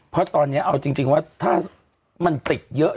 เพราะตอนนี้เอาจริงว่าถ้ามันติดเยอะ